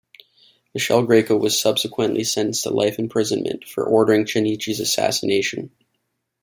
Michele Greco was subsequently sentenced to life imprisonment for ordering Chinnici's assassination.